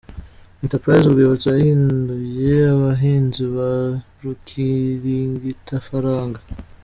Entreprise Urwibutso yahinduye abahinzi ba ’rukirigitafaranga’.